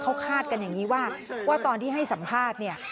เขาคาดกันอย่างนี้ว่าตอนที่ให้สัมภาษณ์เนี่ย